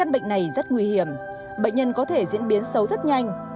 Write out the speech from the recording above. bệnh này rất nguy hiểm bệnh nhân có thể diễn biến xấu rất nhanh